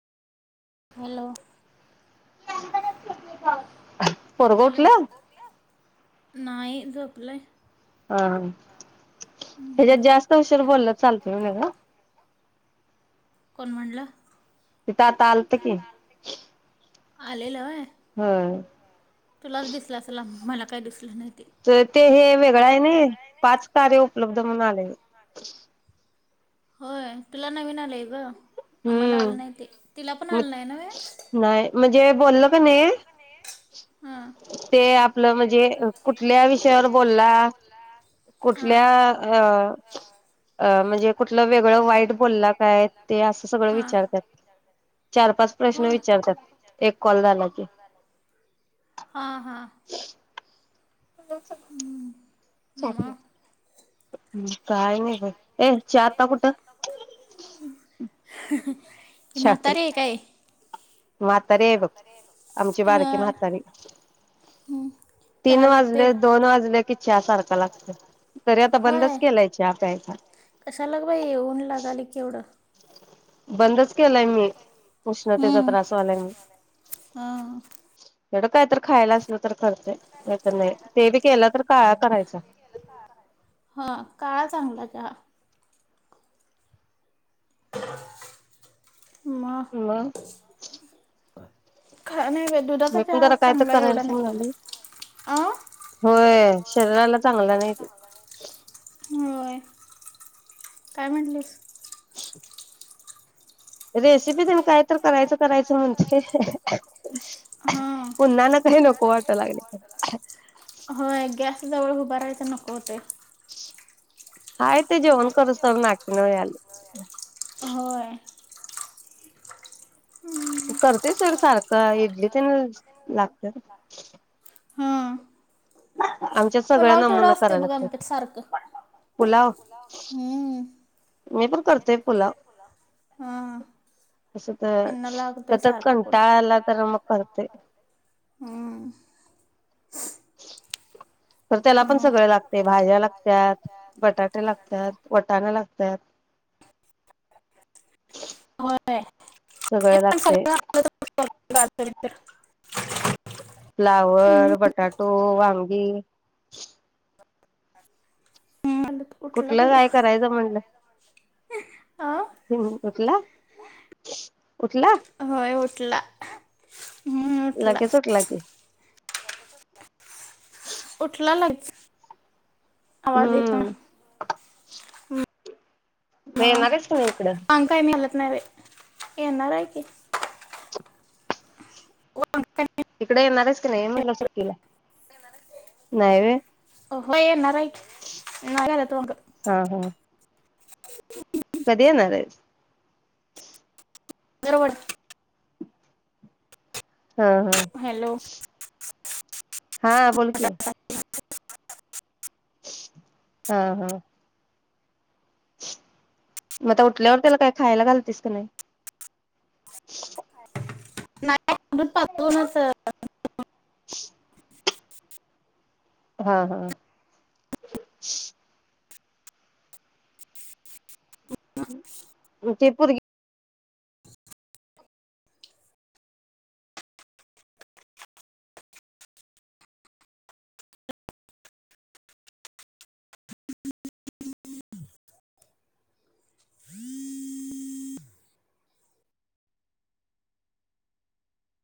Hello [inaudible] पोरग उठल? नाई झोपलय. हा, हा ह्याज्यात जास्त उशीर बोलल चालत म्हण ग कोण म्हणलं? तिथं आता आलत की आलेल व्हय? होय हम्म तुलाच दिसलं असल मला काय दिसलं नाइ. जर ते हे वेगळय नइ पाच कार्य उपलब्ध म्हणून आलय. होय तुला नवीन आलंय ग. हम्म. नाही नव्हे नाही म्हणजे बोलल का नाही हां ते आप आपलं म्हणजे कुठल्या विषयावर बोलला हां कुठल्या म्हणजे कुठलं वेगळं वाईट बोलला काय ते असं सगळं हां विचारत्यात चार पाच प्रश्न होय विचारत्यात एक कॉल झाला की हां हां हम्म. [inaudible] मग सोडलेत. काय नाही बघ. ए चहा आता कुठं ही म्हातारी हाय काय? हो आत आहे बघ आमची बारकी हां म्हातारी हम्म. चहा तीन लागते वाजले दोन वाजले कि चहा सारखा लागतोय. होय कशाला बाइ ऊन लागायल केवढं? बंदच केलाय मी उष्णतेचा हम्म त्रासवायला म्हण हा तेड काय तर खायला असल तर करते. हे तर नाही ते बी केलं तर काय करायचं? काळा चांगला हा. [inaudible] मग? का नाही बाई दुधाचा मी पण चहा जरा काय तर चांगला एवढा करायलाच नाही म्हणाल अ होय शरीराला चांगला नाही. [inaudible] होय काय म्हटलीस? [unintelligible] रेसिपी देण काय तर करायचं करायचं म्हणते. हां पुन्हाना काही नको वाट लागले. होय गॅस जवळ उभ राायच नको होते. हाय ते जेवण करसतो नाके नऊ आली. होय. करतेय सर सारखं इडली तर ना लागते. हां आमच्या सगळ्या पुलाव तेवढं नमुना असते कराया बघ आमच्यात लागतात. सारखं पुलाव. हम्म. मी पण करतेय पुलाव हां तसं ह्यांना तर लागतोय तर सारखं पुल कंटाळला तर मग करतेय. हम्म. तर त्याला पण मग सगळे लागते भाज्या लागतात बटाटे लागतात, वटाणा लागत त्यायत होय पण लागते सगळ लागत. [inaudible] फ्लावर बटाटो वांग ह. हम्म उठला कुठलं बाई ह्यो. काय करायचं म्हणलं अ उठला? उठला? होय उठला लगेच उठला की? उठला लगेच. आवाज येतो. ह [unintelligible] मग येणार का नाही. सांग काय मला. नाय बाय येणारारय की. वांग काय इकडे येणारच की नाही म्हंटलं, सुट्टीला नाही नाही हो येणार आहे की नाही घालत वांग हा हा. कधी येणार आहेस. फरवड [unintelligible] हा हा. हॅलो [inaudible] हा बोलकी. हा हा. मग त्या उठल्यावर त्याला काय खायला घालतेस का नाही. [unintelligible] नाही. आ दूध तापवलं अ अ अ आ. [unintelligible] हा हा. म ते पोरगी हम्म [unintelligible]